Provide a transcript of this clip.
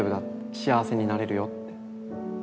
幸せになれるよって。